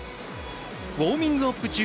ウォーミングアップ中